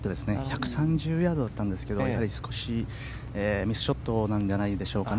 １３０ヤードだったんですけど少し、ミスショットなんじゃないんでしょうか。